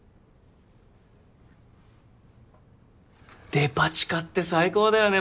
デパ地下って最高だよね。